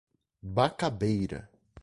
Bacabeira